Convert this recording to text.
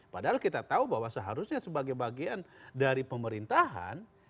padahal kita tahu bahwa seharusnya sebagai bagian dari pemerintahan